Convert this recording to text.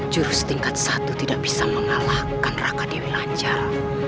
jurus tingkat satu tidak bisa mengalahkan raka dewi lanjar